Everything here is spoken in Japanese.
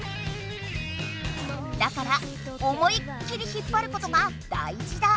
だから思いっ切り引っぱることがだいじだ。